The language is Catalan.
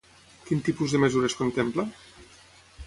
Quin tipus de mesures contempla?